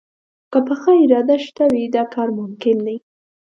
که پخه اراده شته وي، دا کار ممکن دی